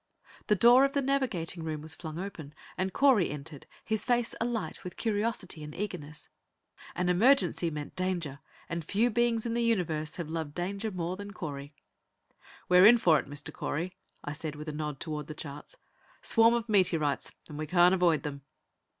The door of the navigating room was flung open, and Correy entered, his face alight with curiosity and eagerness. An emergency meant danger, and few beings in the universe have loved danger more than Correy. "We're in for it, Mr. Correy," I said, with a nod towards the charts. "Swarm of meteorites, and we can't avoid them."